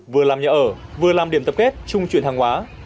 vừa làm nhà ở vừa làm điểm tập kết chung chuyển hàng hoá